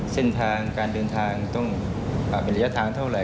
เส้นทางการเดินทางต้องเป็นระยะทางเท่าไห